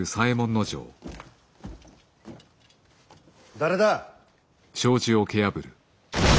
誰だ。